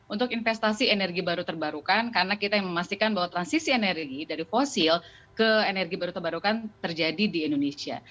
untuk investasi energi baru terbarukan karena kita yang memastikan bahwa transisi energi dari fosil ke energi baru terbarukan terjadi di indonesia